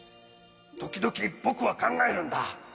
時々僕は考えるんだ。